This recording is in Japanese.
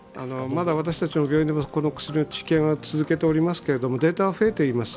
まだ私たちの病院でもこの薬の治験は続けていますけれども、データは増えています。